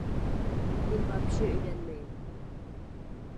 Мин вообще өйләнмәйем!